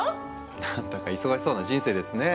何だか忙しそうな人生ですねえ。